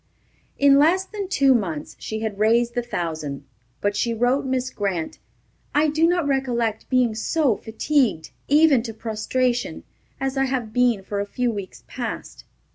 In less than two months she had raised the thousand; but she wrote Miss Grant, "I do not recollect being so fatigued, even to prostration, as I have been for a few weeks past."